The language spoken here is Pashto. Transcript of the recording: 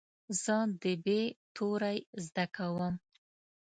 زه د "ب" توری زده کوم.